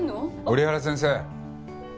折原先生。